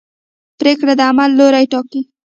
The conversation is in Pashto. پرېکړه د عمل لوری ټاکي.